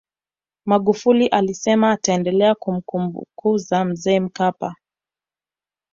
magufuli alisema ataendelea kumkumbuka mzee mkapa